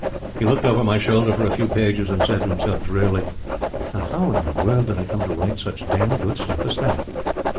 He looked over my shoulder for a few pages and said to himself drearily: "Now, how in the world did I come to write such damned good stuff as that?"